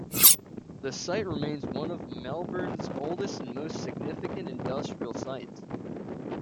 The site remains one of Melbourne's oldest and most significant industrial sites.